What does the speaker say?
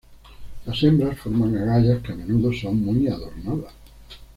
Las hembras forman agallas que a menudo son muy adornadas.